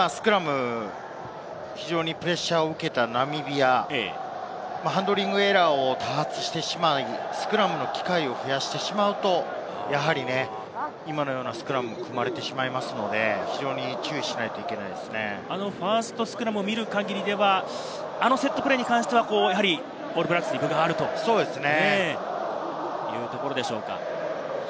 今スクラム、非常にプレッシャーを受けたナミビア、ハンドリングエラーを多発してしまってスクラムの機会を増やしてしまうと、今のようなスクラムを組まれてしまいますので、非常に注意しないといけないファーストスクラムを見る限りではあのセットプレー、オールブラックスに分があるというところでしょうか。